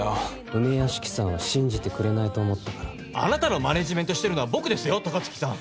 梅屋敷さんは信じてくれないと思ったからあなたのマネジメントしてるのは僕ですよ高槻さん